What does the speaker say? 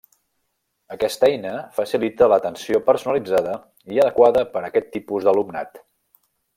Aquesta eina facilita l’atenció personalitzada i adequada per a aquest tipus d'alumnat.